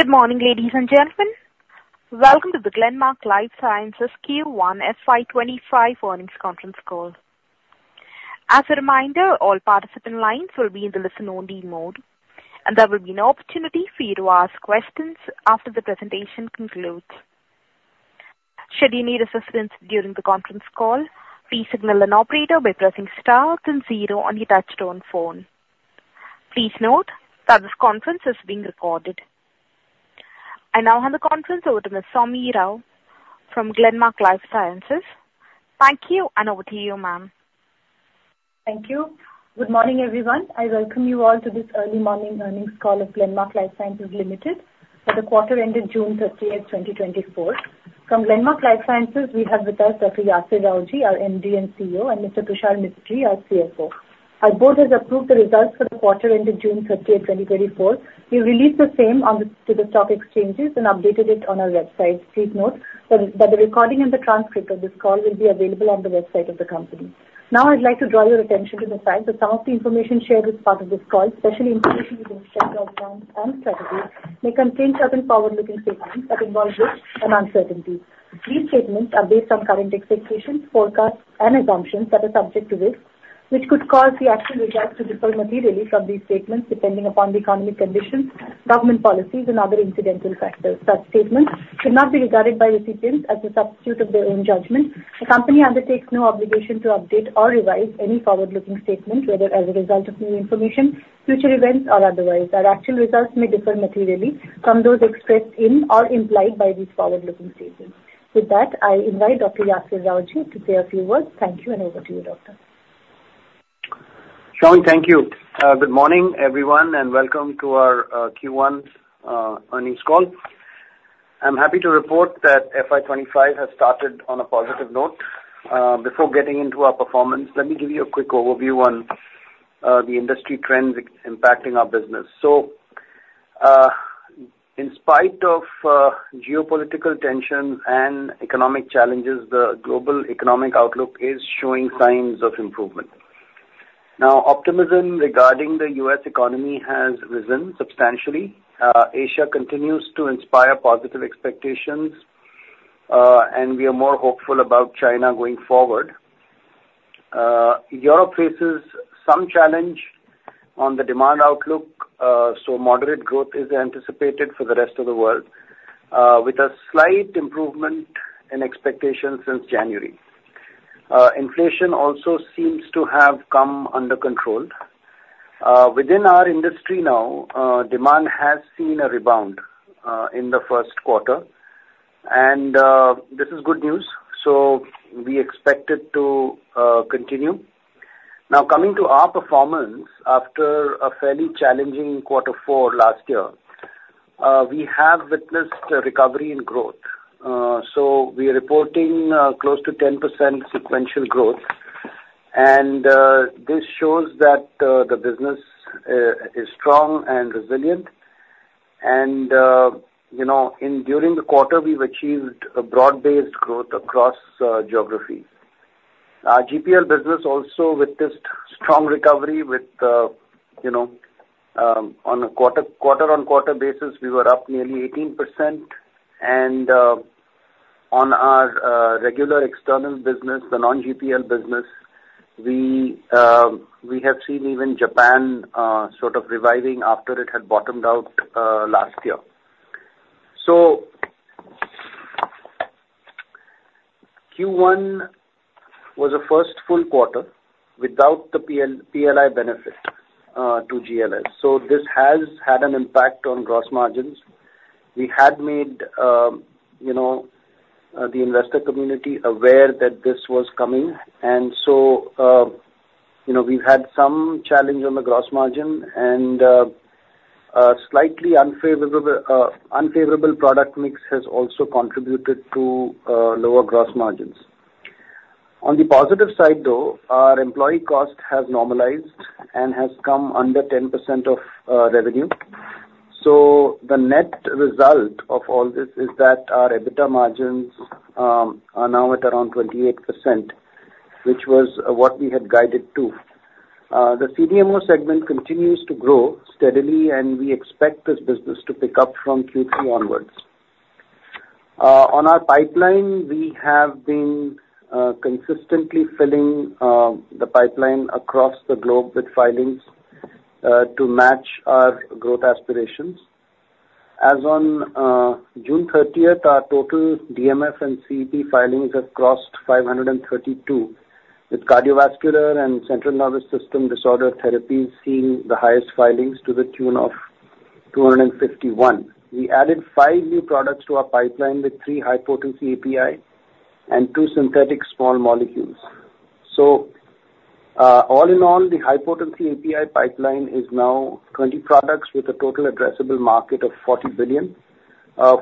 Good morning, ladies and gentlemen. Welcome to the Glenmark Life Sciences Q1 FY 2025 earnings conference call. As a reminder, all participant lines will be in the listen-only mode, and there will be no opportunity for you to ask questions after the presentation concludes. Should you need assistance during the conference call, please signal an operator by pressing star and zero on your touch-tone phone. Please note that this conference is being recorded. I now hand the conference over to Ms. Soumi Rao from Glenmark Life Sciences. Thank you, and over to you, ma'am. Thank you. Good morning, everyone. I welcome you all to this early morning earnings call of Glenmark Life Sciences Limited for the quarter ended June 30th, 2024. From Glenmark Life Sciences, we have with us Dr. Yasir Rawjee, our MD and CEO, and Mr. Tushar Mistry, our CFO. Our board has approved the results for the quarter ended June 30th, 2024. We released the same onto the stock exchanges and updated it on our website. Please note that the recording and the transcript of this call will be available on the website of the company. Now, I'd like to draw your attention to the fact that some of the information shared as part of this call, especially information within the respect to financials and strategy, may contain certain forward-looking statements that involve risk and uncertainty. These statements are based on current expectations, forecasts, and assumptions that are subject to risk, which could cause the actual results to differ materially from these statements depending upon the economic conditions, government policies, and other incidental factors. Such statements should not be regarded by recipients as a substitute of their own judgment. The company undertakes no obligation to update or revise any forward-looking statement, whether as a result of new information, future events, or otherwise. Our actual results may differ materially from those expressed in or implied by these forward-looking statements. With that, I invite Dr. Yasir Rawjee to say a few words. Thank you, and over to you, Doctor. Soumi, thank you. Good morning, everyone, and welcome to our Q1 earnings call. I'm happy to report that FY 2025 has started on a positive note. Before getting into our performance, let me give you a quick overview on the industry trends impacting our business. In spite of geopolitical tensions and economic challenges, the global economic outlook is showing signs of improvement. Now, optimism regarding the U.S. economy has risen substantially. Asia continues to inspire positive expectations, and we are more hopeful about China going forward. Europe faces some challenge on the demand outlook, so moderate growth is anticipated for the rest of the world, with a slight improvement in expectations since January. Inflation also seems to have come under control. Within our industry now, demand has seen a rebound in the first quarter, and this is good news, so we expect it to continue. Now, coming to our performance, after a fairly challenging quarter four last year, we have witnessed recovery in growth. So, we are reporting close to 10% sequential growth, and this shows that the business is strong and resilient. And during the quarter, we've achieved a broad-based growth across geographies. Our GPL business also witnessed strong recovery on a quarter-on-quarter basis. We were up nearly 18%. And on our regular external business, the non-GPL business, we have seen even Japan sort of reviving after it had bottomed out last year. So, Q1 was a first full quarter without the PLI benefit to GLS. So, this has had an impact on gross margins. We had made the investor community aware that this was coming, and so we've had some challenge on the gross margin, and a slightly unfavorable product mix has also contributed to lower gross margins. On the positive side, though, our employee cost has normalized and has come under 10% of revenue. So, the net result of all this is that our EBITDA margins are now at around 28%, which was what we had guided to. The CDMO segment continues to grow steadily, and we expect this business to pick up from Q3 onwards. On our pipeline, we have been consistently filling the pipeline across the globe with filings to match our growth aspirations. As of June 30th, our total DMF and CEP filings have crossed 532, with cardiovascular and central nervous system disorder therapies seeing the highest filings to the tune of 251. We added five new products to our pipeline with three high-potency APIs and two synthetic small molecules. So, all in all, the high-potency API pipeline is now 20 products with a total addressable market of $40 billion.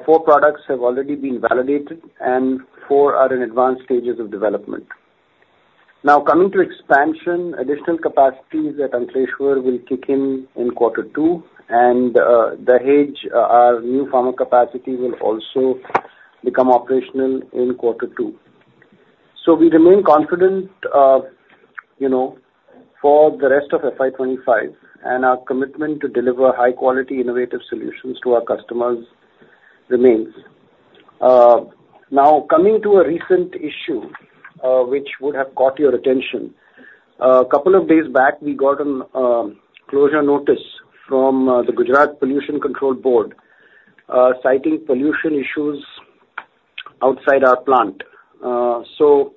Four products have already been validated, and four are in advanced stages of development. Now, coming to expansion, additional capacities at Ankleshwar will kick in in quarter two, and the Dahej, our new pharma capacity, will also become operational in quarter two. So, we remain confident for the rest of FY 2025, and our commitment to deliver high-quality, innovative solutions to our customers remains. Now, coming to a recent issue which would have caught your attention, a couple of days back, we got a closure notice from the Gujarat Pollution Control Board citing pollution issues outside our plant. So,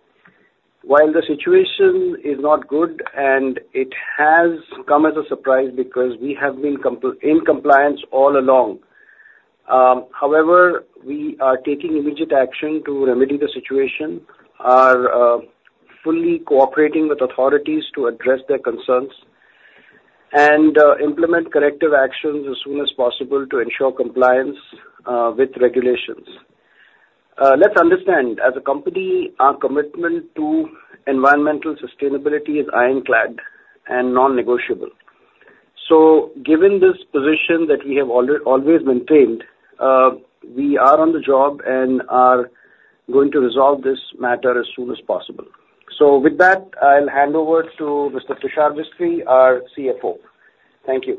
while the situation is not good, and it has come as a surprise because we have been in compliance all along, however, we are taking immediate action to remedy the situation, are fully cooperating with authorities to address their concerns, and implement corrective actions as soon as possible to ensure compliance with regulations. Let's understand, as a company, our commitment to environmental sustainability is ironclad and non-negotiable. So, given this position that we have always maintained, we are on the job and are going to resolve this matter as soon as possible. So, with that, I'll hand over to Mr. Tushar Mistry, our CFO. Thank you.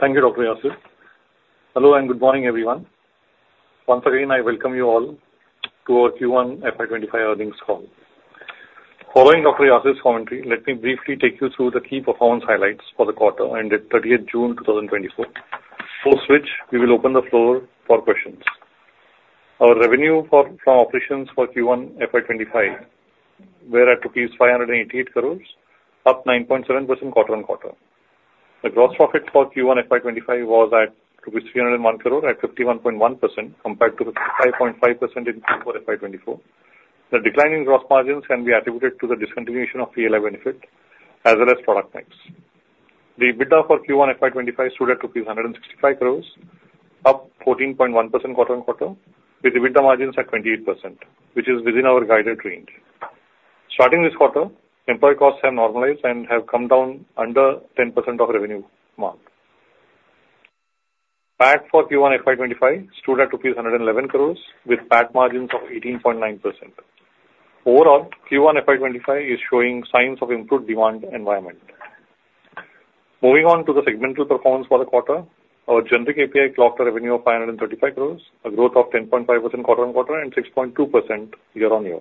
Thank you, Dr. Yasir. Hello and good morning, everyone. Once again, I welcome you all to our Q1 FY 2025 earnings call. Following Dr. Yasir's commentary, let me briefly take you through the key performance highlights for the quarter ended 30th June 2024, post which we will open the floor for questions. Our revenue from operations for Q1 FY 2025 was at INR 588 crores, up 9.7% quarter-over-quarter. The gross profit for Q1 FY 2025 was at 301 crore, at 51.1%, compared to 55.5% in Q4 FY 2024. The declining gross margins can be attributed to the discontinuation of PLI benefit as well as product mix. The EBITDA for Q1 FY 2025 stood at rupees 165 crores, up 14.1% quarter-over-quarter, with EBITDA margins at 28%, which is within our guided range. Starting this quarter, employee costs have normalized and have come down under 10% of revenue mark. PAT for Q1 FY 2025 stood at rupees 111 crores, with PAT margins of 18.9%. Overall, Q1 FY 2025 is showing signs of improved demand environment. Moving on to the segmental performance for the quarter, our generic API clocked a revenue of 535 crores, a growth of 10.5% quarter on quarter, and 6.2% year on year.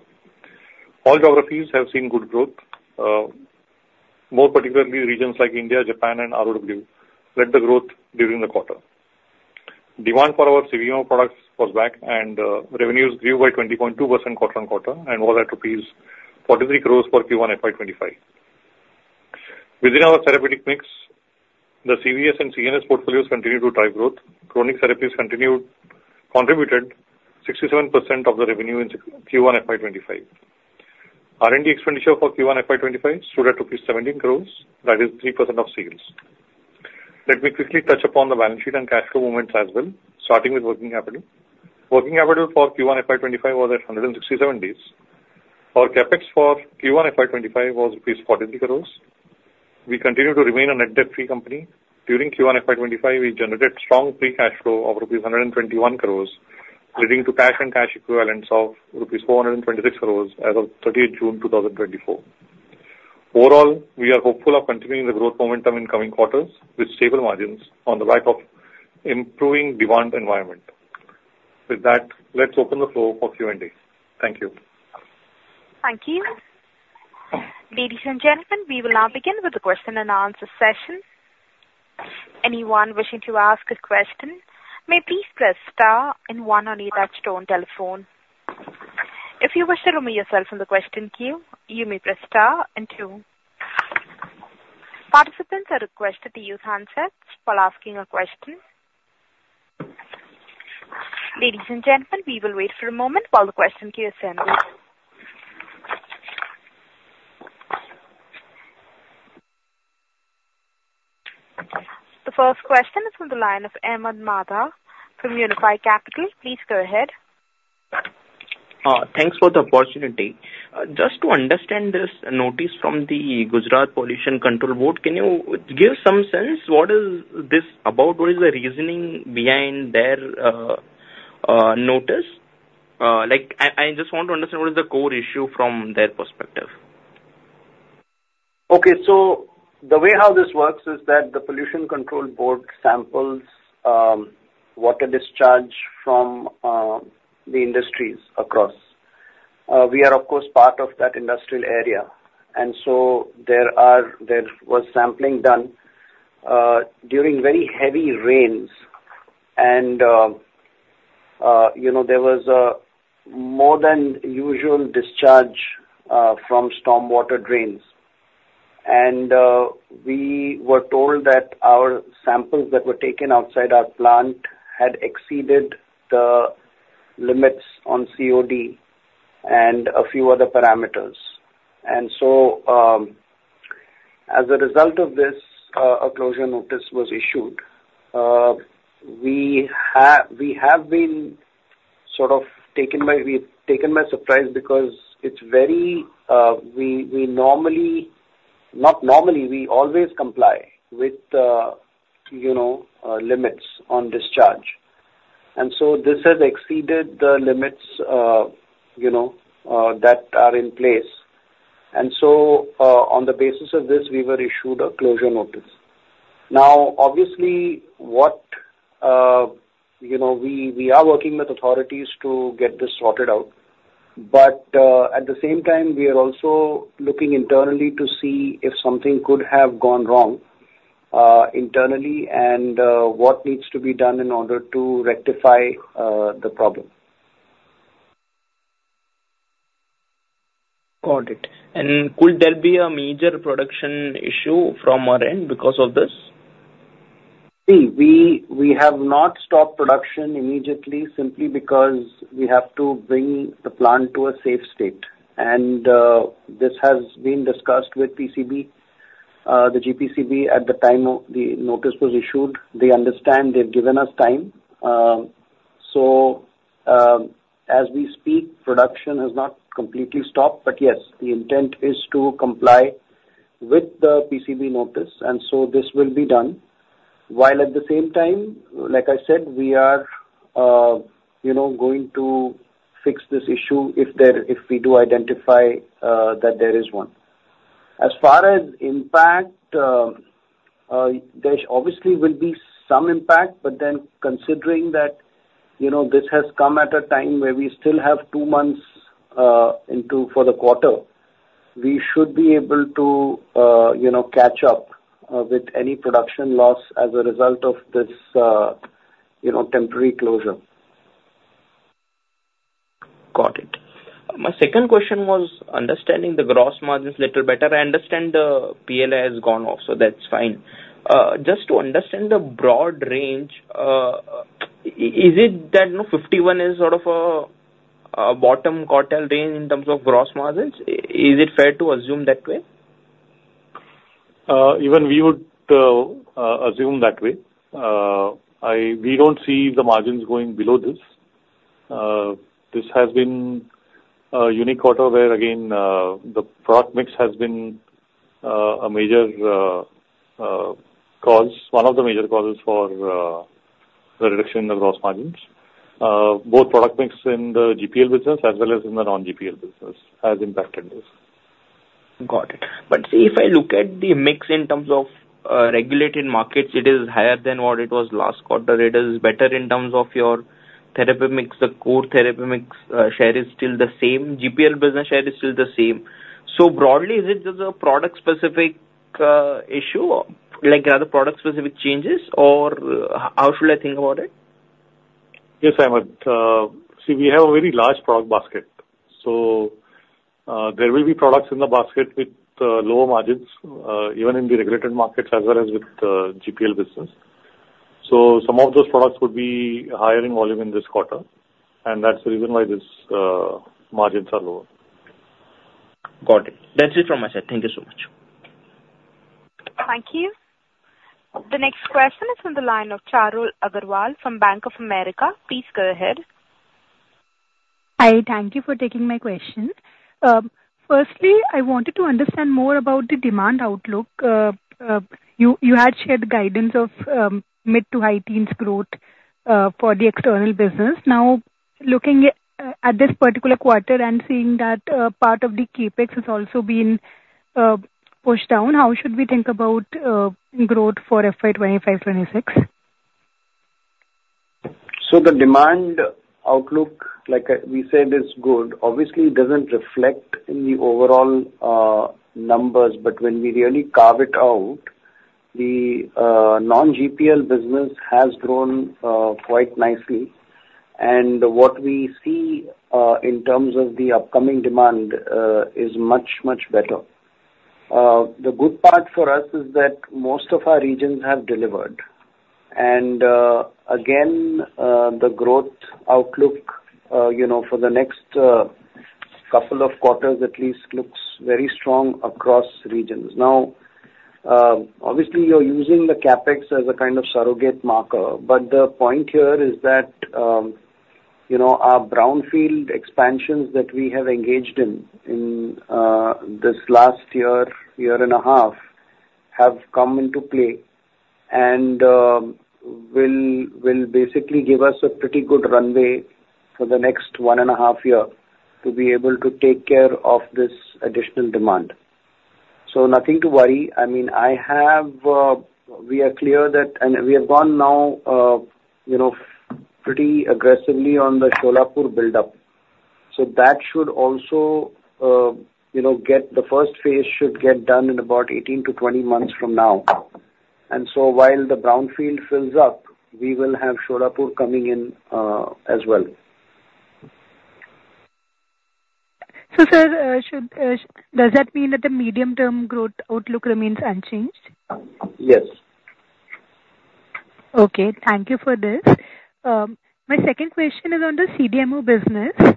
All geographies have seen good growth, more particularly regions like India, Japan, and ROW led the growth during the quarter. Demand for our CDMO products was back, and revenues grew by 20.2% quarter on quarter and was at rupees 43 crores for Q1 FY 2025. Within our therapeutic mix, the CVS and CNS portfolios continued to drive growth. Chronic therapies continued to contribute 67% of the revenue in Q1 FY 2025. R&D expenditure for Q1 FY 2025 stood at INR 17 crores, that is 3% of sales. Let me quickly touch upon the balance sheet and cash flow movements as well, starting with working capital. Working capital for Q1 FY 2025 was at 167 days. Our CapEx for Q1 FY 2025 was rupees 43 crores. We continue to remain a net debt-free company. During Q1 FY 2025, we generated strong free cash flow of rupees 121 crores, leading to cash and cash equivalents of rupees 426 crores as of 30th June 2024. Overall, we are hopeful of continuing the growth momentum in coming quarters with stable margins on the back of improving demand environment. With that, let's open the floor for Q&A. Thank you. Thank you. Ladies and gentlemen, we will now begin with the question and answer session. Anyone wishing to ask a question may please press star and one on either touch-tone telephone. If you wish to remove yourself in the question queue, you may press star and two. Participants are requested to use handsets while asking a question. Ladies and gentlemen, we will wait for a moment while the question queue is handled. The first question is from the line of Ahmed Madha from Unifi Capital. Please go ahead. Thanks for the opportunity. Just to understand this notice from the Gujarat Pollution Control Board, can you give some sense what is this about? What is the reasoning behind their notice? I just want to understand what is the core issue from their perspective. Okay. So, the way how this works is that the Pollution Control Board samples water discharge from the industries across. We are, of course, part of that industrial area. And so, there was sampling done during very heavy rains, and there was more than usual discharge from stormwater drains. And we were told that our samples that were taken outside our plant had exceeded the limits on COD and a few other parameters. And so, as a result of this, a closure notice was issued. We have been sort of taken by surprise because it's very—not normally, we always comply with limits on discharge. And so, this has exceeded the limits that are in place. And so, on the basis of this, we were issued a closure notice. Now, obviously, we are working with authorities to get this sorted out, but at the same time, we are also looking internally to see if something could have gone wrong internally and what needs to be done in order to rectify the problem. Got it. Could there be a major production issue from our end because of this? See, we have not stopped production immediately simply because we have to bring the plant to a safe state. And this has been discussed with PCB, the GPCB, at the time the notice was issued. They understand. They've given us time. So, as we speak, production has not completely stopped, but yes, the intent is to comply with the PCB notice, and so this will be done. While at the same time, like I said, we are going to fix this issue if we do identify that there is one. As far as impact, there obviously will be some impact, but then considering that this has come at a time where we still have two months into for the quarter, we should be able to catch up with any production loss as a result of this temporary closure. Got it. My second question was understanding the gross margins a little better. I understand the PLI has gone off, so that's fine. Just to understand the broad range, is it that 51 is sort of a bottom quartile range in terms of gross margins? Is it fair to assume that way? Even we would assume that way. We don't see the margins going below this. This has been a unique quarter where, again, the product mix has been a major cause, one of the major causes for the reduction in the gross margins. Both product mix in the GPL business as well as in the non-GPL business has impacted this. Got it. But see, if I look at the mix in terms of regulated markets, it is higher than what it was last quarter. It is better in terms of your therapeutic mix. The core therapeutic mix share is still the same. GPL business share is still the same. So broadly, is it just a product-specific issue, like other product-specific changes, or how should I think about it? Yes, Ahmed. See, we have a very large product basket. So there will be products in the basket with lower margins, even in the regulated markets as well as with the GPL business. So some of those products would be higher in volume in this quarter, and that's the reason why these margins are lower. Got it. That's it from my side. Thank you so much. Thank you. The next question is from the line of Charul Agrawal from Bank of America. Please go ahead. Hi. Thank you for taking my question. Firstly, I wanted to understand more about the demand outlook. You had shared guidance of mid to high teens growth for the external business. Now, looking at this particular quarter and seeing that part of the CapEx has also been pushed down, how should we think about growth for FY 2025-2026? So the demand outlook, like we said, is good. Obviously, it doesn't reflect in the overall numbers, but when we really carve it out, the non-GPL business has grown quite nicely. And what we see in terms of the upcoming demand is much, much better. The good part for us is that most of our regions have delivered. And again, the growth outlook for the next couple of quarters at least looks very strong across regions. Now, obviously, you're using the CapEx as a kind of surrogate marker, but the point here is that our brownfield expansions that we have engaged in this last year, year and a half, have come into play and will basically give us a pretty good runway for the next one and a half year to be able to take care of this additional demand. So nothing to worry. I mean, we are clear that we have gone now pretty aggressively on the Solapur buildup. So that should also get the first phase should get done in about 18-20 months from now. And so while the brownfield fills up, we will have Solapur coming in as well. Sir, does that mean that the medium-term growth outlook remains unchanged? Yes. Okay. Thank you for this. My second question is on the CDMO business.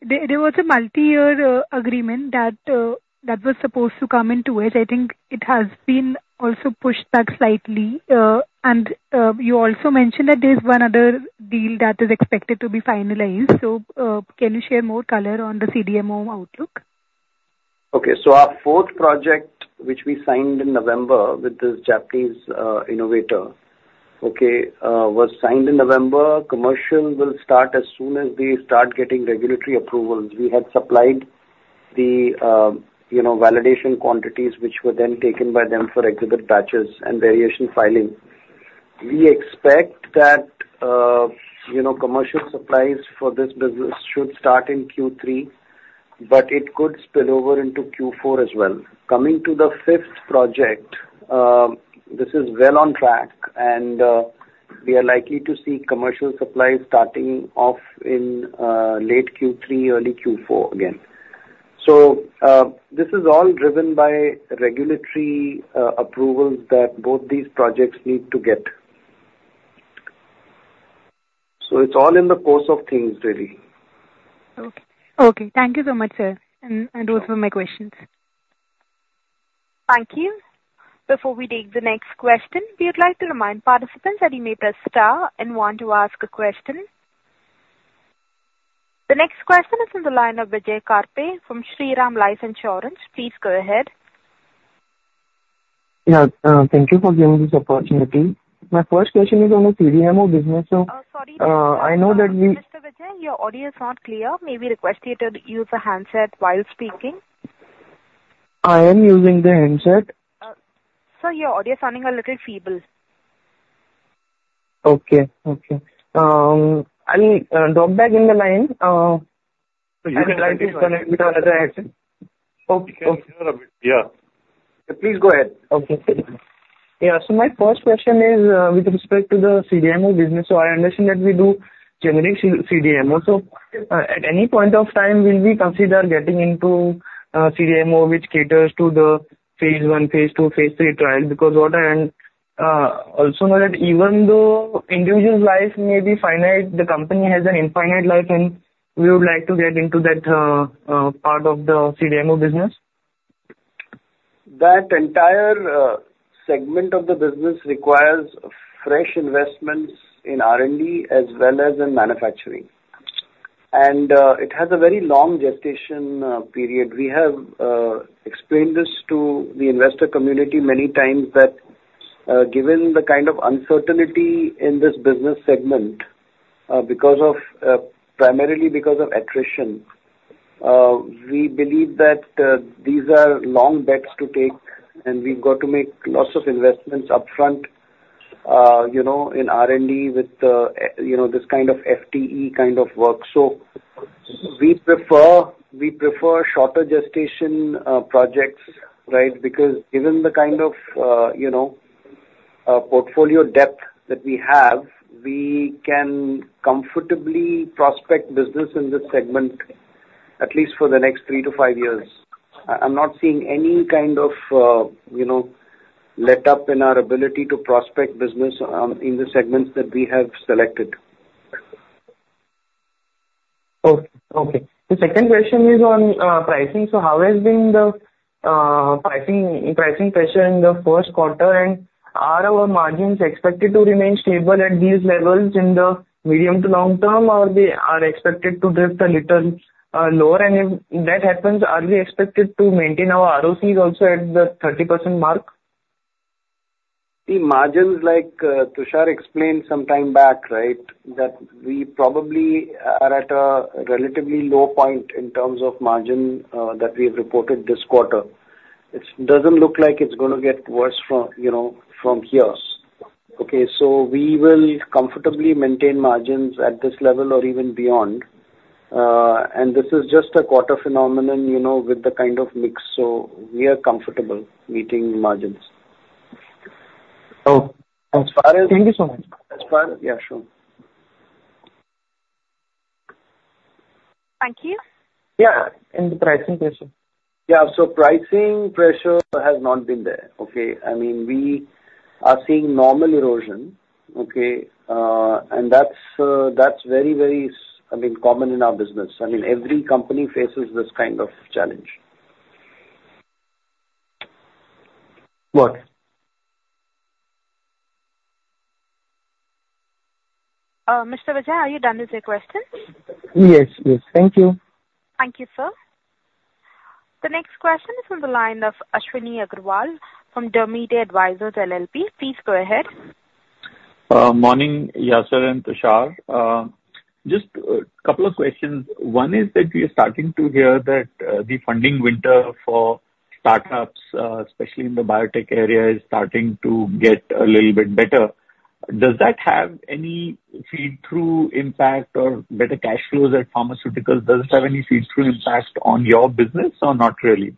There was a multi-year agreement that was supposed to come into it. I think it has been also pushed back slightly. And you also mentioned that there's one other deal that is expected to be finalized. So can you share more color on the CDMO outlook? Okay. So our fourth project, which we signed in November with this Japanese innovator, okay, was signed in November. Commercial will start as soon as they start getting regulatory approvals. We had supplied the validation quantities, which were then taken by them for exhibit batches and variation filing. We expect that commercial supplies for this business should start in Q3, but it could spill over into Q4 as well. Coming to the fifth project, this is well on track, and we are likely to see commercial supplies starting off in late Q3, early Q4 again. So this is all driven by regulatory approvals that both these projects need to get. So it's all in the course of things, really. Okay. Thank you so much, sir. Those were my questions. Thank you. Before we take the next question, we would like to remind participants that you may press star one if you want to ask a question. The next question is from the line of Vijay Karpe from Shriram Life Insurance. Please go ahead. Yeah. Thank you for giving this opportunity. My first question is on the CDMO business. Sorry. I know that we. Mr. Vijay, your audio is not clear. May we request you to use a handset while speaking? I am using the handset. Sir, your audio is sounding a little feeble. Okay. Okay. I mean, drop back in the line. So you can try to connect me to another handset. Okay. Okay. Yeah. Please go ahead. Okay. Yeah. My first question is with respect to the CDMO business. I understand that we do generate CDMO. At any point of time, will we consider getting into CDMO, which caters to the phase one, phase two, phase three trials? Because what I also know that even though individual life may be finite, the company has an infinite life, and we would like to get into that part of the CDMO business. That entire segment of the business requires fresh investments in R&D as well as in manufacturing. It has a very long gestation period. We have explained this to the investor community many times that given the kind of uncertainty in this business segment, primarily because of attrition, we believe that these are long bets to take, and we've got to make lots of investments upfront in R&D with this kind of FTE kind of work. So we prefer shorter gestation projects, right? Because given the kind of portfolio depth that we have, we can comfortably prospect business in this segment, at least for the next 3-5 years. I'm not seeing any kind of letup in our ability to prospect business in the segments that we have selected. Okay. Okay. The second question is on pricing. So how has been the pricing pressure in the first quarter? And are our margins expected to remain stable at these levels in the medium to long term, or they are expected to drift a little lower? And if that happens, are we expected to maintain our ROCE also at the 30% mark? See, margins, like Tushar explained some time back, right, that we probably are at a relatively low point in terms of margin that we have reported this quarter. It doesn't look like it's going to get worse from here. Okay. So we will comfortably maintain margins at this level or even beyond. And this is just a quarter phenomenon with the kind of mix. So we are comfortable meeting margins. Oh. As far as. Thank you so much. Yeah. Sure. Thank you. Yeah. And the pricing pressure. Yeah. So pricing pressure has not been there. Okay. I mean, we are seeing normal erosion. Okay. And that's very, very, I mean, common in our business. I mean, every company faces this kind of challenge. What? Mr. Vijay, are you done with your question? Yes. Yes. Thank you. Thank you, sir. The next question is from the line of Ashwini Agarwal from Demeter Advisors LLP. Please go ahead. Morning, Yasir and Tushar. Just a couple of questions. One is that we are starting to hear that the funding winter for startups, especially in the biotech area, is starting to get a little bit better. Does that have any feed-through impact or better cash flows at pharmaceuticals? Does it have any feed-through impact on your business or not really?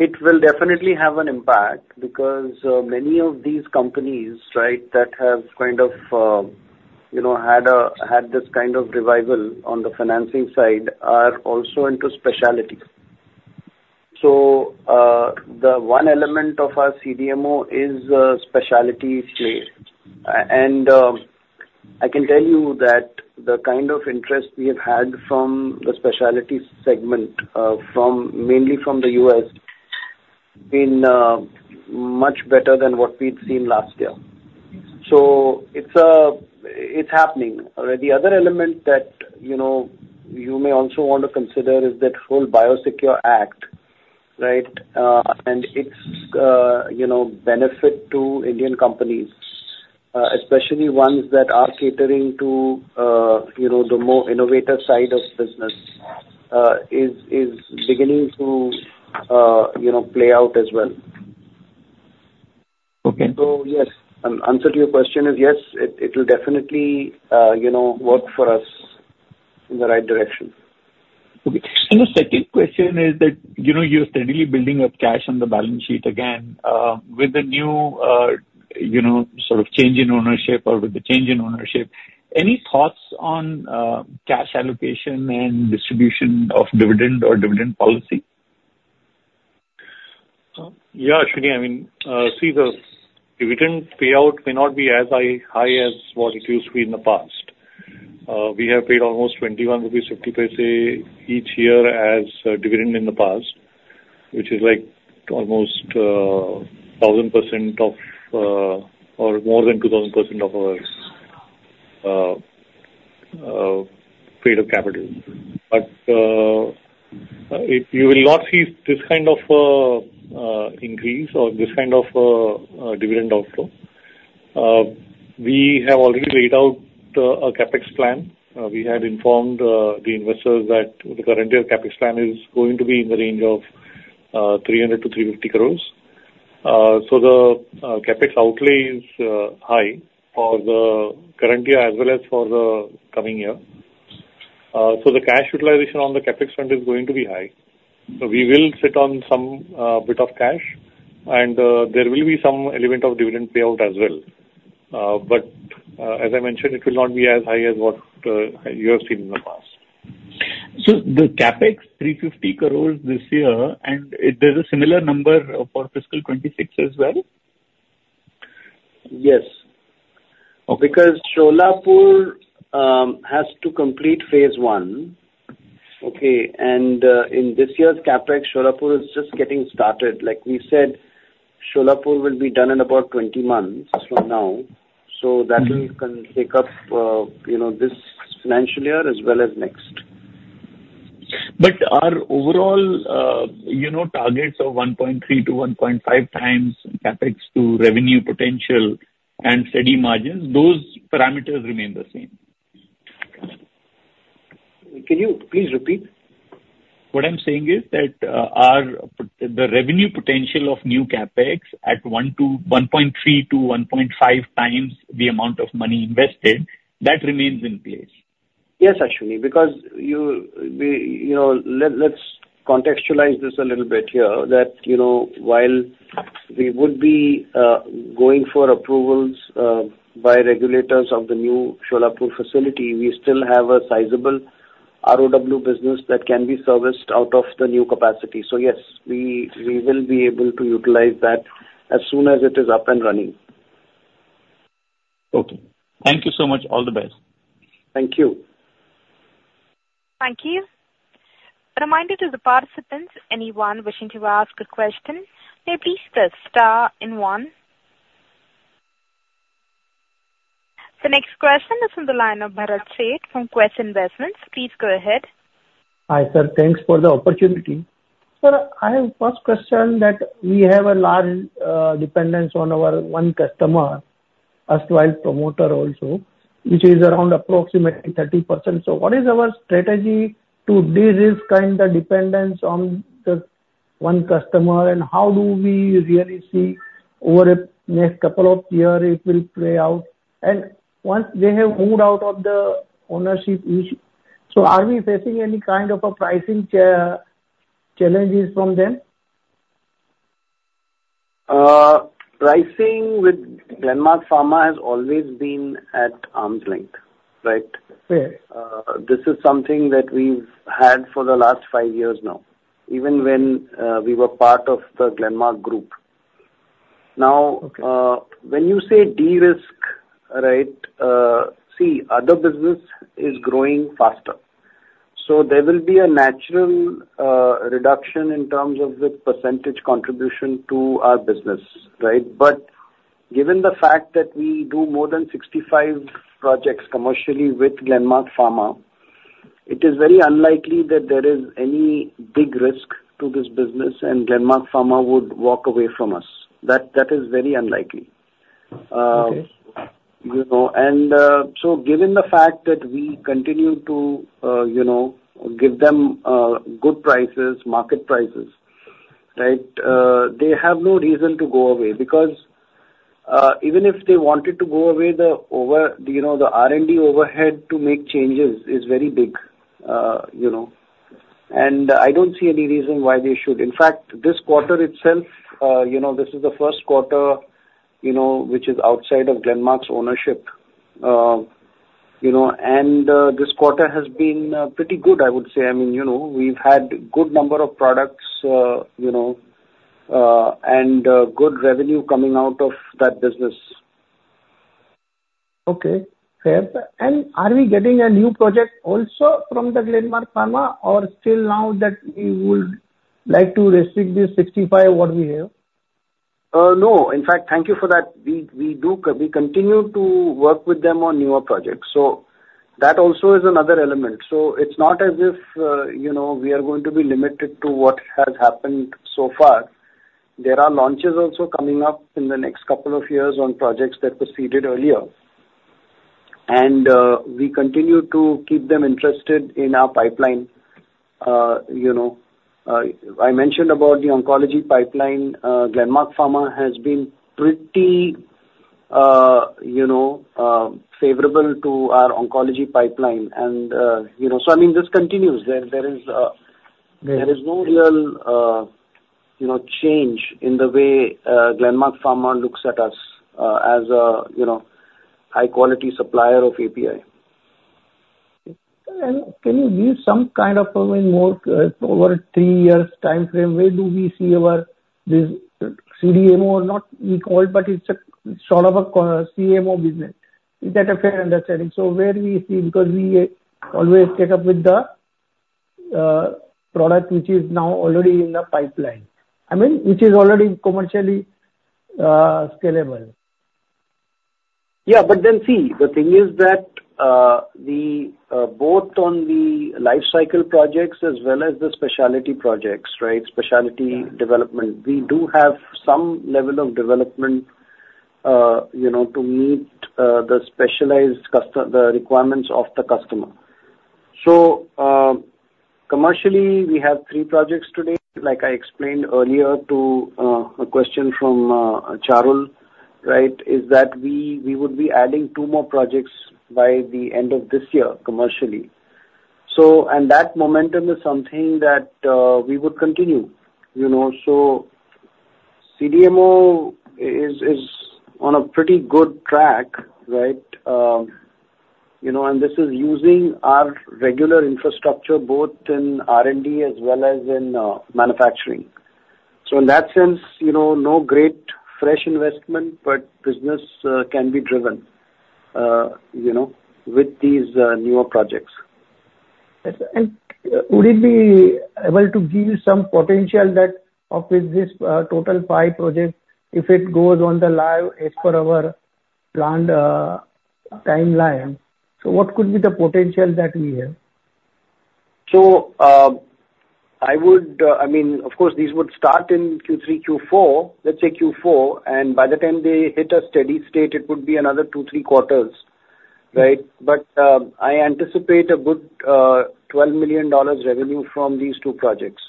It will definitely have an impact because many of these companies, right, that have kind of had this kind of revival on the financing side are also into specialty. So the one element of our CDMO is specialty play. And I can tell you that the kind of interest we have had from the specialty segment, mainly from the US, has been much better than what we've seen last year. So it's happening. The other element that you may also want to consider is that whole BioSecure Act, right? Its benefit to Indian companies, especially ones that are catering to the more innovative side of business, is beginning to play out as well. Okay. So yes, answer to your question is yes, it will definitely work for us in the right direction. Okay. The second question is that you're steadily building up cash on the balance sheet again. With the new sort of change in ownership or with the change in ownership, any thoughts on cash allocation and distribution of dividend or dividend policy? Yeah, Ashwini. I mean, see, the dividend payout may not be as high as what it used to be in the past. We have paid almost 21.50 rupees each year as dividend in the past, which is like almost 1,000% or more than 2,000% of our trade of capital. But you will not see this kind of increase or this kind of dividend outflow. We have already laid out a CapEx plan. We have informed the investors that the current year CapEx plan is going to be in the range of 300 crore - 350 crore. So the CapEx outlay is high for the current year as well as for the coming year. So the cash utilization on the CapEx fund is going to be high. So we will sit on some bit of cash, and there will be some element of dividend payout as well. But as I mentioned, it will not be as high as what you have seen in the past. The CapEx, 350 crore this year, and there's a similar number for fiscal 2026 as well? Yes. Because Solapur has to complete phase one. Okay. And in this year's CapEx, Solapur is just getting started. Like we said, Solapur will be done in about 20 months from now. So that will take up this financial year as well as next. But our overall targets of 1.3x-1.5x CapEx to revenue potential and steady margins, those parameters remain the same. Can you please repeat? What I'm saying is that the revenue potential of new CapEx at 1.3-1.5 times the amount of money invested, that remains in place. Yes, Ashwini. Because let's contextualize this a little bit here that while we would be going for approvals by regulators of the new Solapur facility, we still have a sizable ROW business that can be serviced out of the new capacity. So yes, we will be able to utilize that as soon as it is up and running. Okay. Thank you so much. All the best. Thank you. Thank you. A reminder to the participants, anyone wishing to ask a question, may please press star one. The next question is from the line of Bharat Sheth from Quest Investment Advisors. Please go ahead. Hi, sir. Thanks for the opportunity. Sir, I have a first question that we have a large dependence on our one customer, as well as promoter also, which is around approximately 30%. So what is our strategy to de-risk kind of dependence on the one customer? And how do we really see over the next couple of years it will play out? And once they have moved out of the ownership issue, so are we facing any kind of pricing challenges from them? Pricing with Glenmark Pharma has always been at arm's length, right? Yes. This is something that we've had for the last five years now, even when we were part of the Glenmark group. Now, when you say de-risk, right, see, other business is growing faster. So there will be a natural reduction in terms of the percentage contribution to our business, right? But given the fact that we do more than 65 projects commercially with Glenmark Pharma, it is very unlikely that there is any big risk to this business, and Glenmark Pharma would walk away from us. That is very unlikely. Okay. Given the fact that we continue to give them good prices, market prices, right, they have no reason to go away. Because even if they wanted to go away, the R&D overhead to make changes is very big. I don't see any reason why they should. In fact, this quarter itself, this is the first quarter which is outside of Glenmark's ownership. This quarter has been pretty good, I would say. I mean, we've had a good number of products and good revenue coming out of that business. Okay. Fair. And are we getting a new project also from the Glenmark Pharma, or still now that we would like to restrict this 65 what we have? No. In fact, thank you for that. We continue to work with them on newer projects. So that also is another element. So it's not as if we are going to be limited to what has happened so far. There are launches also coming up in the next couple of years on projects that proceeded earlier. And we continue to keep them interested in our pipeline. I mentioned about the oncology pipeline. Glenmark Pharma has been pretty favorable to our oncology pipeline. And so, I mean, this continues. There is no real change in the way Glenmark Pharma looks at us as a high-quality supplier of API. Can you give some kind of a more over a three-year time frame, where do we see our CDMO or not be called, but it's sort of a CMO business? Is that a fair understanding? So where do we see because we always take up with the product which is now already in the pipeline, I mean, which is already commercially scalable? Yeah. But then see, the thing is that both on the life cycle projects as well as the specialty projects, right, specialty development, we do have some level of development to meet the requirements of the customer. So commercially, we have three projects today. Like I explained earlier to a question from Charul, right, is that we would be adding two more projects by the end of this year commercially. And that momentum is something that we would continue. So CDMO is on a pretty good track, right? And this is using our regular infrastructure both in R&D as well as in manufacturing. So in that sense, no great fresh investment, but business can be driven with these newer projects. Would it be able to give you some potential that of this total 5 projects if it goes on the live as per our planned timeline? What could be the potential that we have? So I mean, of course, these would start in Q3, Q4, let's say Q4. And by the time they hit a steady state, it would be another 2, 3 quarters, right? But I anticipate a good $12 million revenue from these two projects.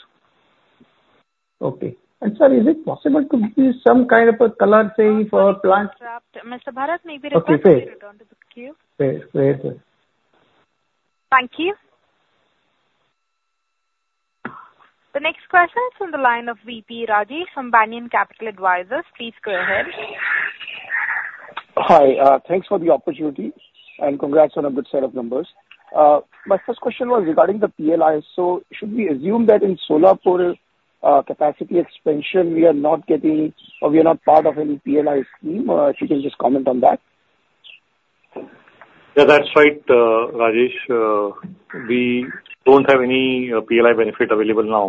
Okay. And sir, is it possible to give some kind of a color on the plant? Mr. Bharat, maybe the question is redundant. Okay. Fair. Thank you. The next question is from the line of V.P. Rajesh from Banyan Capital Advisors. Please go ahead. Hi. Thanks for the opportunity. Congrats on a good set of numbers. My first question was regarding the PLI. Should we assume that in Solapur capacity expansion, we are not getting or we are not part of any PLI scheme? If you can just comment on that. Yeah, that's right, Rajesh. We don't have any PLI benefit available now.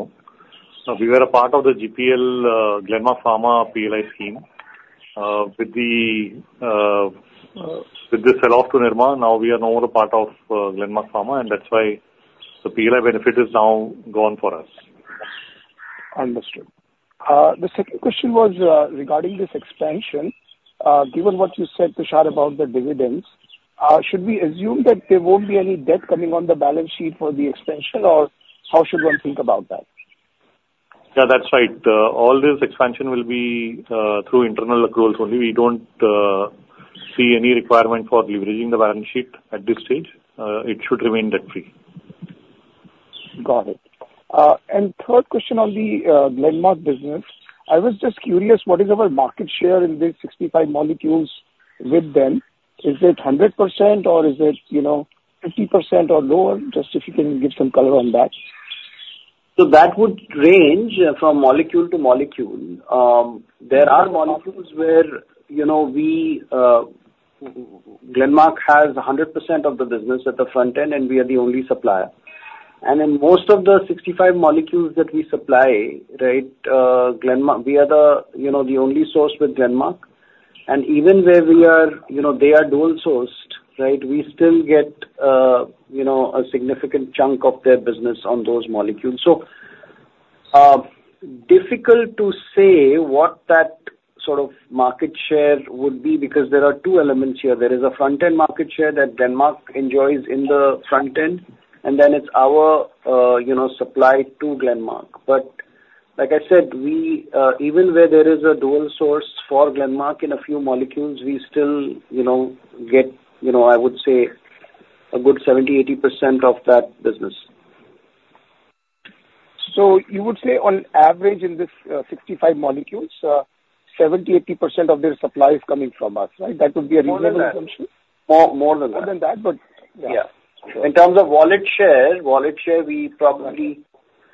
We were a part of the GPL Glenmark Pharma PLI scheme with the sell-off to Nirma. Now we are no longer part of Glenmark Pharma, and that's why the PLI benefit is now gone for us. Understood. The second question was regarding this expansion. Given what you said, Tushar, about the dividends, should we assume that there won't be any debt coming on the balance sheet for the expansion, or how should one think about that? Yeah, that's right. All this expansion will be through internal accruals only. We don't see any requirement for leveraging the balance sheet at this stage. It should remain debt-free. Got it. Third question on the Glenmark business, I was just curious what is our market share in these 65 molecules with them? Is it 100% or is it 50% or lower? Just if you can give some color on that. So that would range from molecule to molecule. There are molecules where Glenmark has 100% of the business at the front end, and we are the only supplier. And in most of the 65 molecules that we supply, right, we are the only source with Glenmark. And even where they are dual-sourced, right, we still get a significant chunk of their business on those molecules. So difficult to say what that sort of market share would be because there are two elements here. There is a front-end market share that Glenmark enjoys in the front end, and then it's our supply to Glenmark. But like I said, even where there is a dual source for Glenmark in a few molecules, we still get, I would say, a good 70%-80% of that business. So you would say on average in these 65 molecules, 70%, 80% of their supply is coming from us, right? That would be a reasonable assumption? More than that. More than that, but yeah. Yeah. In terms of wallet share, wallet share, we probably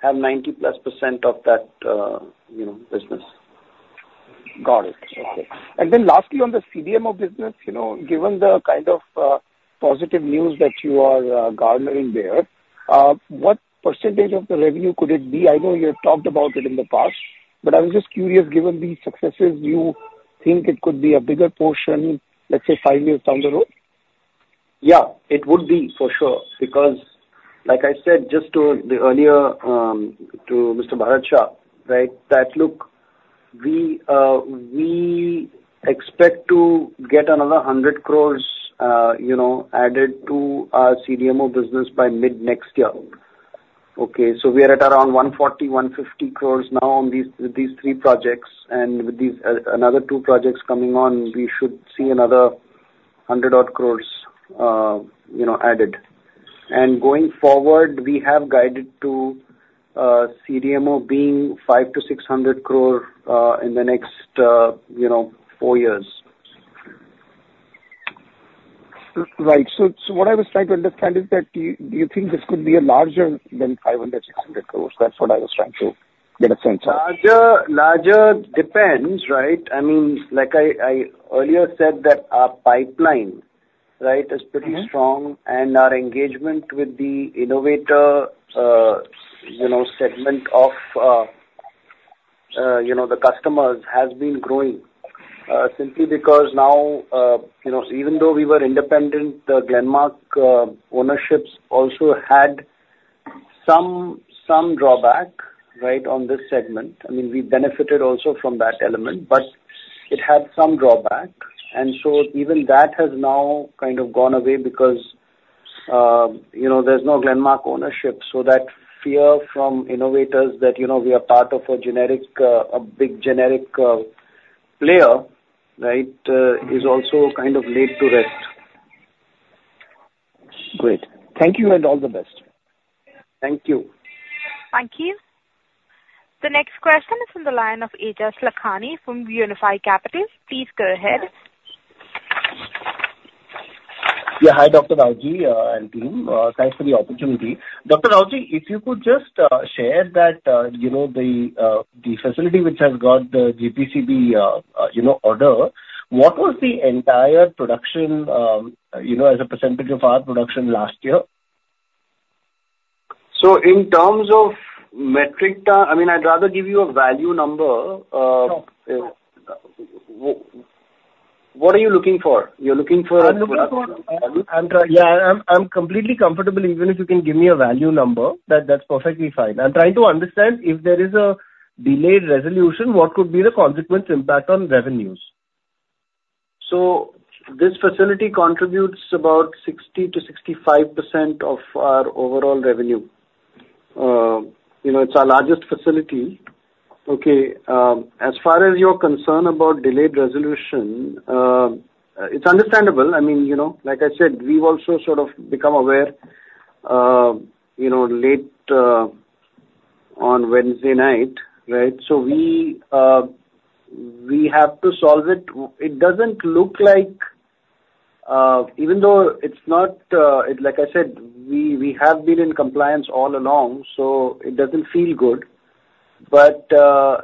have 90+% of that business. Got it. Okay. And then lastly, on the CDMO business, given the kind of positive news that you are garnering there, what percentage of the revenue could it be? I know you have talked about it in the past, but I was just curious, given the successes, you think it could be a bigger portion, let's say, five years down the road? Yeah, it would be for sure. Because like I said just earlier to Mr. Bharat, right, that look, we expect to get another 100 crore added to our CDMO business by mid-next year. Okay. So we are at around 140 crore-150 crore now with these three projects. And with these another two projects coming on, we should see another 100-odd crore added. And going forward, we have guided to CDMO being 500 crore-600 crore in the next four years. Right. So what I was trying to understand is that you think this could be larger than 500 crore-600 crore? That's what I was trying to get a sense of. Largely depends, right? I mean, like I earlier said, that our pipeline, right, is pretty strong. And our engagement with the innovator segment of the customers has been growing simply because now, even though we were independent, the Glenmark ownerships also had some drawback, right, on this segment. I mean, we benefited also from that element, but it had some drawback. And so even that has now kind of gone away because there's no Glenmark ownership. So that fear from innovators that we are part of a big generic player, right, is also kind of laid to rest. Great. Thank you and all the best. Thank you. Thank you. The next question is from the line of Aejas Lakhani from Unifi Capital. Please go ahead. Yeah. Hi, Dr. Rawjee and team. Thanks for the opportunity. Dr. Rawjee, if you could just share that the facility which has got the GPCB order, what was the entire production as a percentage of our production last year? So in terms of metric, I mean, I'd rather give you a value number. What are you looking for? You're looking for a product? Yeah. I'm completely comfortable even if you can give me a value number. That's perfectly fine. I'm trying to understand if there is a delayed resolution, what could be the consequence impact on revenues? So this facility contributes about 60%-65% of our overall revenue. It's our largest facility. Okay. As far as your concern about delayed resolution, it's understandable. I mean, like I said, we've also sort of become aware late on Wednesday night, right? So we have to solve it. It doesn't look like even though it's not, like I said, we have been in compliance all along, so it doesn't feel good. But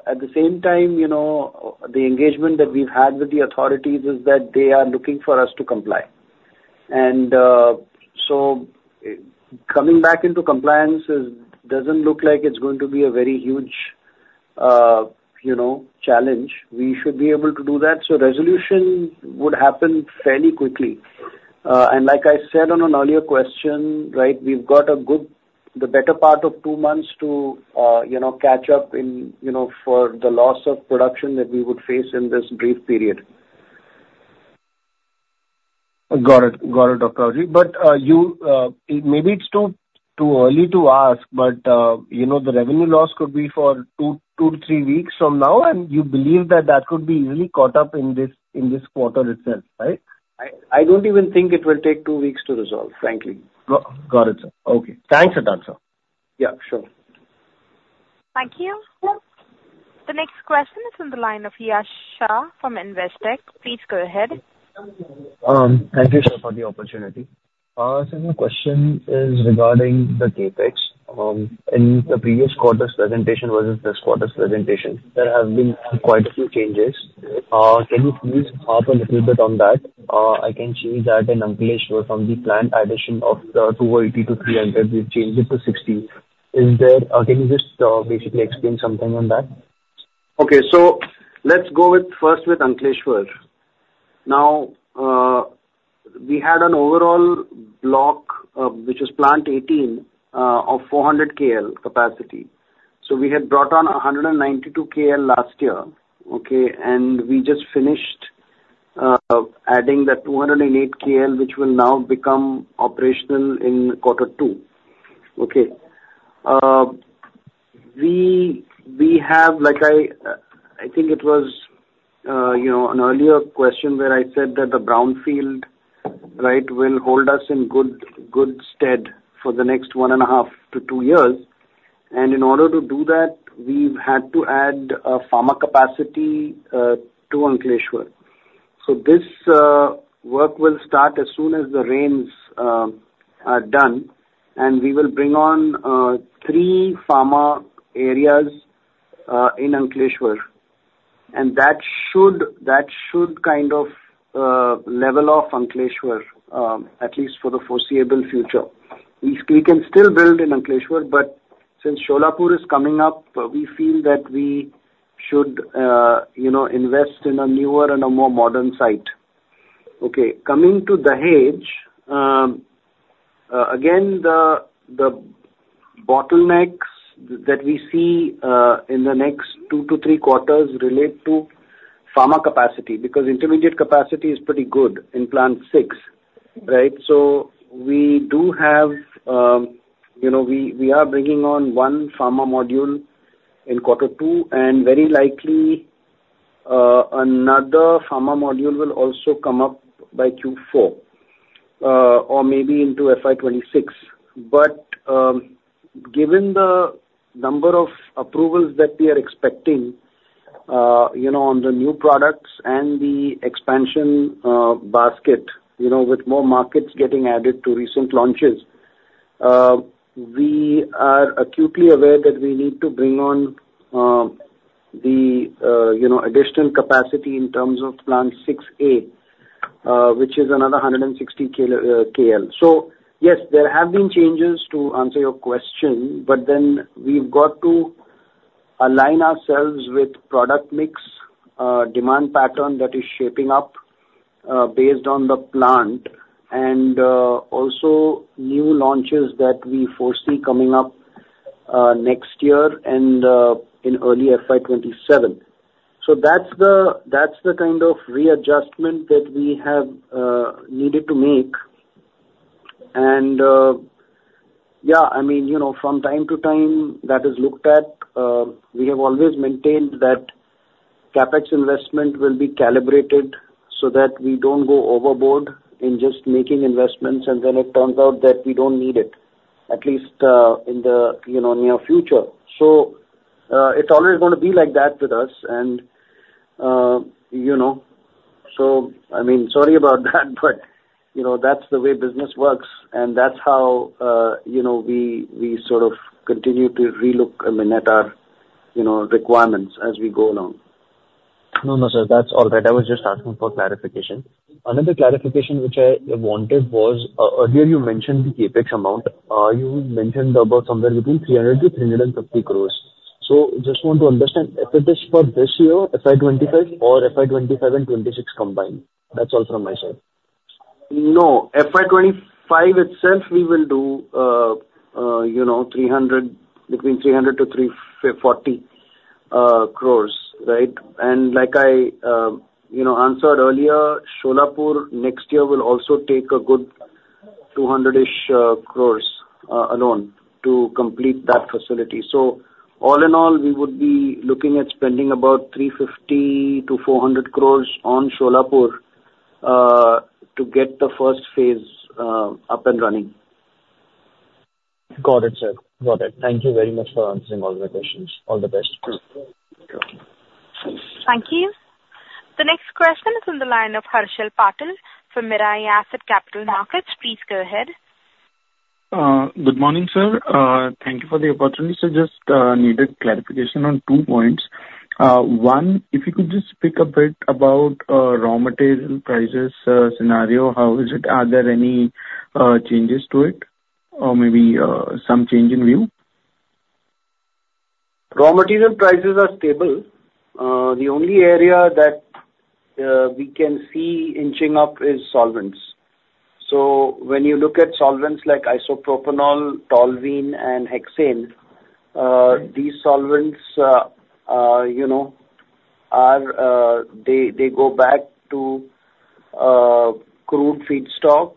at the same time, the engagement that we've had with the authorities is that they are looking for us to comply. And so coming back into compliance doesn't look like it's going to be a very huge challenge. We should be able to do that. So resolution would happen fairly quickly. And like I said on an earlier question, right, we've got a good, the better part of two months to catch up for the loss of production that we would face in this brief period. Got it. Got it, Dr. Rawjee. But maybe it's too early to ask, but the revenue loss could be for 2-3 weeks from now, and you believe that that could be easily caught up in this quarter itself, right? I don't even think it will take two weeks to resolve, frankly. Got it, sir. Okay. Thanks a ton, sir. Yeah, sure. Thank you. The next question is from the line of Shah from Investec. Please go ahead. Thank you, sir, for the opportunity. Sir, my question is regarding the CapEx. In the previous quarter's presentation versus this quarter's presentation, there have been quite a few changes. Can you please talk a little bit on that? I can see that in Ankleshwar from the planned addition of 280-300, we've changed it to 60. Can you just basically explain something on that? Okay. So let's go first with Ankleshwar. Now, we had an overall block, which is plant 18, of 400 KL capacity. So we had brought on 192 KL last year, okay, and we just finished adding the 208 KL, which will now become operational in quarter two. Okay. We have, like I think it was an earlier question where I said that the brownfield, right, will hold us in good stead for the next 1.5-2 years. And in order to do that, we've had to add a pharma capacity to Ankleshwar. So this work will start as soon as the rains are done, and we will bring on three pharma areas in Ankleshwar. And that should kind of level off Ankleshwar, at least for the foreseeable future. We can still build in Ankleshwar, but since Solapur is coming up, we feel that we should invest in a newer and a more modern site. Okay. Coming to the Dahej, again, the bottlenecks that we see in the next two to three quarters relate to pharma capacity because intermediate capacity is pretty good in plant six, right? So we are bringing on one pharma module in quarter two, and very likely another pharma module will also come up by Q4 or maybe into FY 2026. But given the number of approvals that we are expecting on the new products and the expansion basket with more markets getting added to recent launches, we are acutely aware that we need to bring on the additional capacity in terms of plant 6A, which is another 160 KL. So yes, there have been changes to answer your question, but then we've got to align ourselves with product mix, demand pattern that is shaping up based on the plant, and also new launches that we foresee coming up next year and in early FY 2027. So that's the kind of readjustment that we have needed to make. And yeah, I mean, from time to time, that is looked at. We have always maintained that CapEx investment will be calibrated so that we don't go overboard in just making investments, and then it turns out that we don't need it, at least in the near future. So it's always going to be like that with us. And so I mean, sorry about that, but that's the way business works, and that's how we sort of continue to relook, I mean, at our requirements as we go along. No, no, sir. That's all right. I was just asking for clarification. Another clarification which I wanted was earlier you mentioned the CapEx amount. You mentioned about somewhere between 300-350 crores. So I just want to understand if it is for this year, FY 2025, or FY 2027 and FY 2026 combined. That's all from my side. No. FI25 itself, we will do between 300-340 crores, right? And like I answered earlier, Solapur next year will also take a good 200-ish crores alone to complete that facility. So all in all, we would be looking at spending about 350-400 crores on Solapur to get the first phase up and running. Got it, sir. Got it. Thank you very much for answering all the questions. All the best. Thank you. The next question is from the line of Harshal Patil from Mirae Asset Capital Markets. Please go ahead. Good morning, sir. Thank you for the opportunity. I just needed clarification on two points. One, if you could just speak a bit about raw material prices scenario, how is it? Are there any changes to it or maybe some change in view? Raw material prices are stable. The only area that we can see inching up is solvents. So when you look at solvents like Isopropanol, Toluene, and Hexane, these solvents, they go back to crude feedstock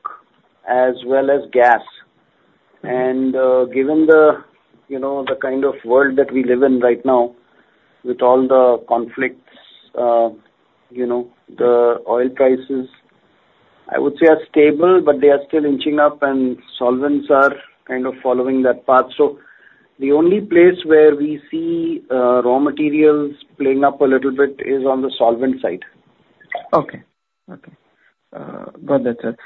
as well as gas. And given the kind of world that we live in right now with all the conflicts, the oil prices, I would say are stable, but they are still inching up, and solvents are kind of following that path. So the only place where we see raw materials playing up a little bit is on the solvent side. Okay. Okay. Got it, sir.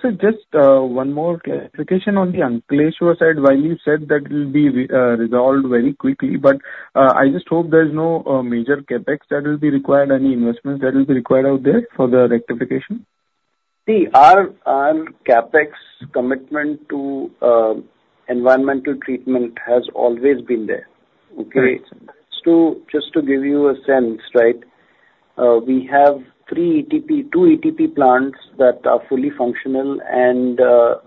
So just one more clarification on the Ankleshwar side. While you said that it will be resolved very quickly, but I just hope there's no major CapEx that will be required, any investments that will be required out there for the rectification. See, our CapEx commitment to environmental treatment has always been there. Okay? Just to give you a sense, right, we have two ETP plants that are fully functional, and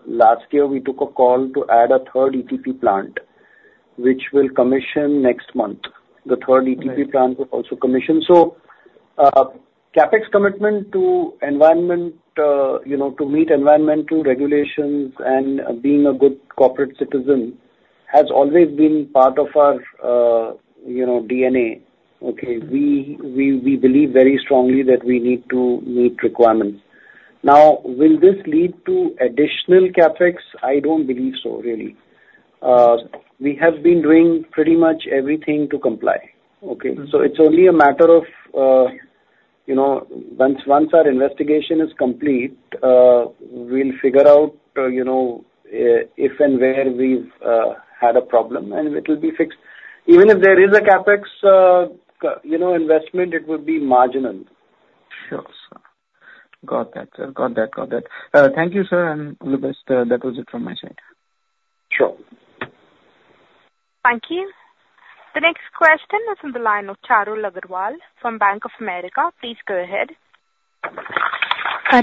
last year, we took a call to add a third ETP plant, which will commission next month. The third ETP plant will also commission. So CapEx commitment to meet environmental regulations and being a good corporate citizen has always been part of our DNA. Okay? We believe very strongly that we need to meet requirements. Now, will this lead to additional CapEx? I don't believe so, really. We have been doing pretty much everything to comply. Okay? So it's only a matter of once our investigation is complete, we'll figure out if and where we've had a problem, and it will be fixed. Even if there is a CapEx investment, it will be marginal. Sure, sir. Got that, sir. Got that, got that. Thank you, sir. And all the best. That was it from my side. Sure. Thank you. The next question is from the line of Charul Agrawal from Bank of America. Please go ahead.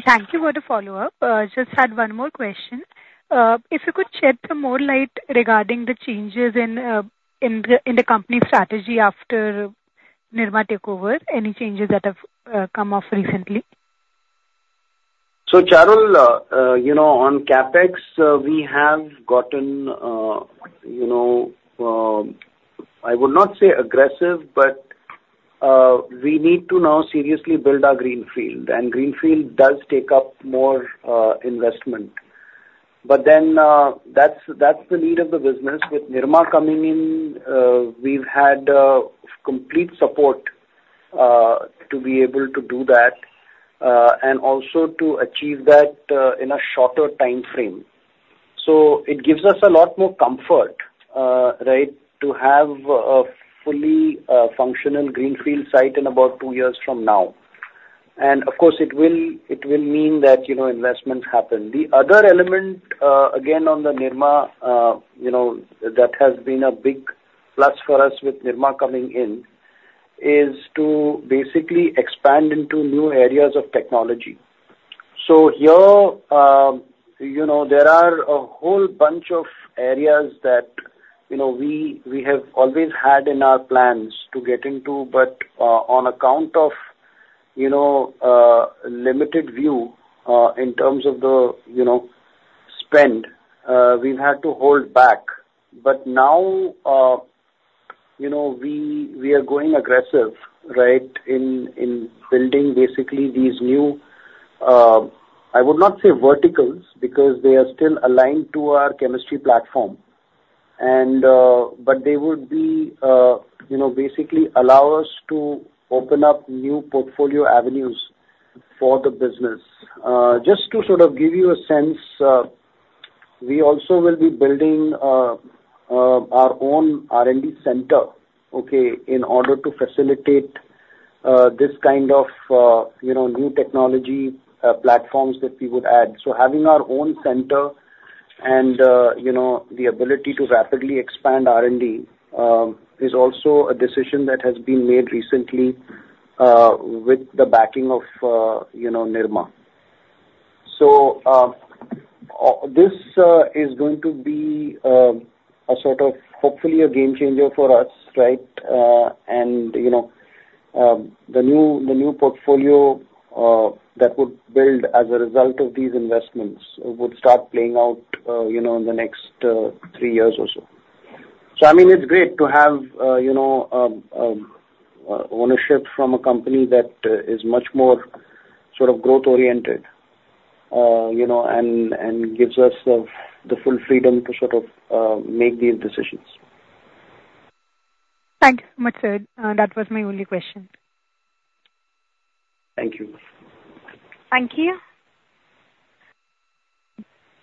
Thank you for the follow-up. Just had one more question. If you could share some more light regarding the changes in the company strategy after Nirma takeover, any changes that have come up recently? So Charul, on CapEx, we have gotten, I would not say aggressive, but we need to now seriously build our greenfield. And greenfield does take up more investment. But then that's the need of the business. With Nirma coming in, we've had complete support to be able to do that and also to achieve that in a shorter time frame. So it gives us a lot more comfort, right, to have a fully functional greenfield site in about two years from now. And of course, it will mean that investments happen. The other element, again, on the Nirma that has been a big plus for us with Nirma coming in is to basically expand into new areas of technology. So here, there are a whole bunch of areas that we have always had in our plans to get into, but on account of limited view in terms of the spend, we've had to hold back. But now, we are going aggressive, right, in building basically these new - I would not say verticals because they are still aligned to our chemistry platform, but they would basically allow us to open up new portfolio avenues for the business. Just to sort of give you a sense, we also will be building our own R&D center, okay, in order to facilitate this kind of new technology platforms that we would add. So having our own center and the ability to rapidly expand R&D is also a decision that has been made recently with the backing of Nirma. So this is going to be a sort of, hopefully, a game changer for us, right? The new portfolio that would build as a result of these investments would start playing out in the next three years or so. So I mean, it's great to have ownership from a company that is much more sort of growth-oriented and gives us the full freedom to sort of make these decisions. Thank you so much, sir. That was my only question. Thank you. Thank you.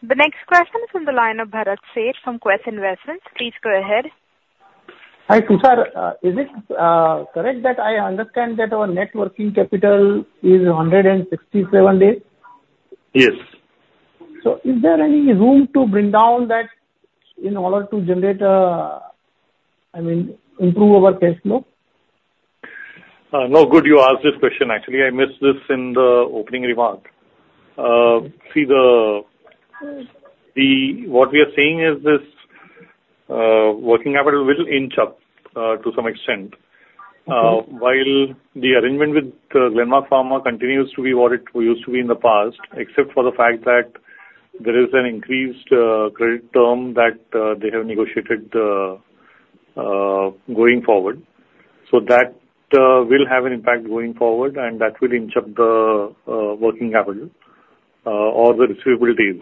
The next question is from the line of Bharat Sheth from Quest Investment Advisors. Please go ahead. Hi, Tushar. Is it correct that I understand that our net working capital is 167 days? Yes. Is there any room to bring down that in order to generate, I mean, improve our cash flow? No, good you asked this question. Actually, I missed this in the opening remark. See, what we are seeing is this working capital will inch up to some extent. While the arrangement with Glenmark Pharma continues to be what it used to be in the past, except for the fact that there is an increased credit term that they have negotiated going forward. So that will have an impact going forward, and that will inch up the working capital or the receivables.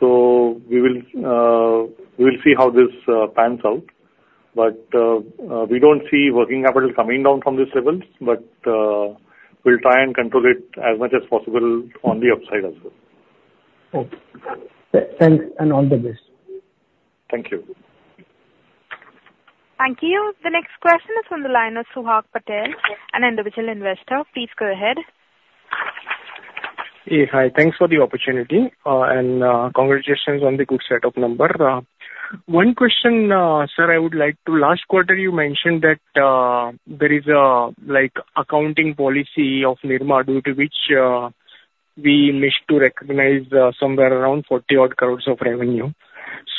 So we will see how this pans out, but we don't see working capital coming down from these levels, but we'll try and control it as much as possible on the upside as well. Okay. Thanks. All the best. Thank you. Thank you. The next question is from the line of Suhag Patel, an individual investor. Please go ahead. Hey, hi. Thanks for the opportunity and congratulations on the good setup number. One question, sir. I would like to, last quarter, you mentioned that there is an accounting policy of Nirma due to which we wish to recognize somewhere around 40-odd crore of revenue.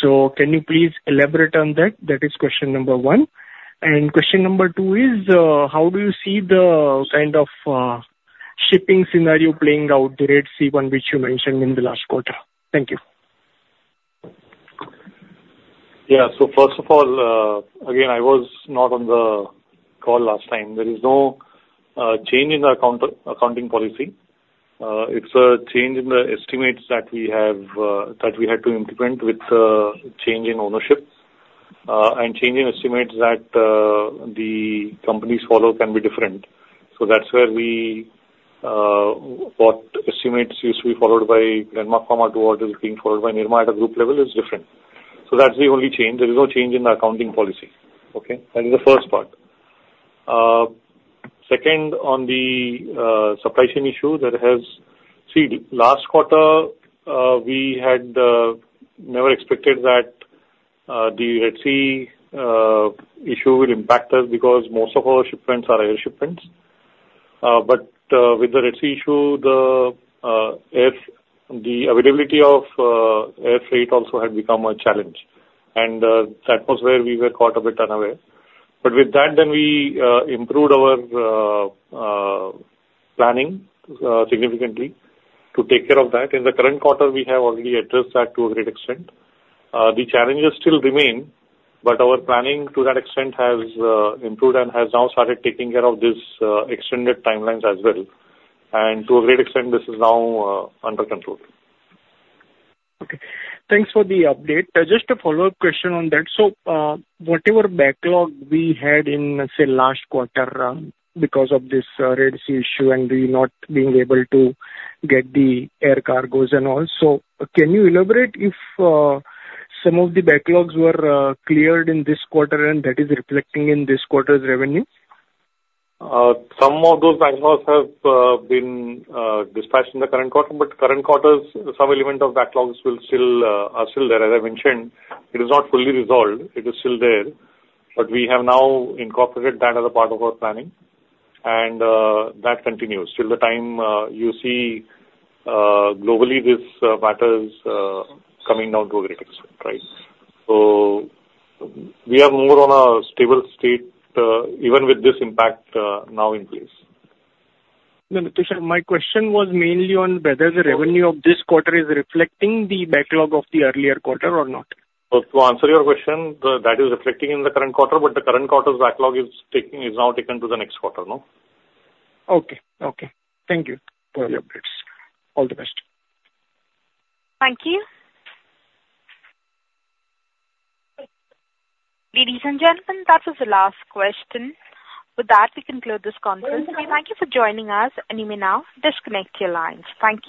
So can you please elaborate on that? That is question number one. And question number two is how do you see the kind of shipping scenario playing out, the Red Sea, which you mentioned in the last quarter? Thank you. Yeah. So first of all, again, I was not on the call last time. There is no change in the accounting policy. It's a change in the estimates that we had to implement with the change in ownership and change in estimates that the companies follow can be different. So that's where what estimates used to be followed by Glenmark Pharma towards is being followed by Nirma at a group level is different. So that's the only change. There is no change in the accounting policy. Okay? That is the first part. Second, on the supply chain issue that has, see, last quarter, we had never expected that the Red Sea issue would impact us because most of our shipments are air shipments. But with the Red Sea issue, the availability of air freight also had become a challenge. And that was where we were caught a bit unaware. But with that, then we improved our planning significantly to take care of that. In the current quarter, we have already addressed that to a great extent. The challenges still remain, but our planning to that extent has improved and has now started taking care of these extended timelines as well. To a great extent, this is now under control. Okay. Thanks for the update. Just a follow-up question on that. So whatever backlog we had in, let's say, last quarter because of this Red Sea issue and not being able to get the air cargos and all, so can you elaborate if some of the backlogs were cleared in this quarter and that is reflecting in this quarter's revenue? Some of those backlogs have been dispatched in the current quarter, but current quarters, some element of backlogs are still there. As I mentioned, it is not fully resolved. It is still there. But we have now incorporated that as a part of our planning, and that continues. Till the time you see globally, this matter is coming down to a great extent, right? So we are more on a stable state even with this impact now in place. My question was mainly on whether the revenue of this quarter is reflecting the backlog of the earlier quarter or not? To answer your question, that is reflecting in the current quarter, but the current quarter's backlog is now taken to the next quarter, no? Okay. Okay. Thank you for the updates. All the best. Thank you. Ladies and gentlemen, that was the last question. With that, we conclude this conference. We thank you for joining us, and you may now disconnect your lines. Thank you.